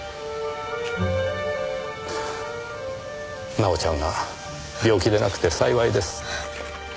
奈緒ちゃんが病気でなくて幸いです。